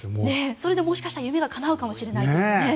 それでもしかしたら夢がかなうかもしれないという。